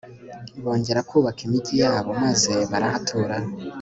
bongera kubaka imigi yabo maze barahatura